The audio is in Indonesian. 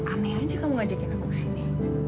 aneh aja kamu ngajakin aku kesini